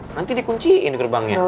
nanti dikunciin gerbangnya